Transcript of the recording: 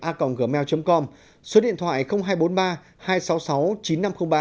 a gmail com số điện thoại hai trăm bốn mươi ba hai trăm sáu mươi sáu chín nghìn năm trăm linh ba